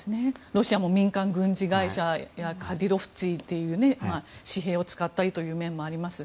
ロシアも民間軍事会社やカディロフツィという私兵を使ったりという面もあります。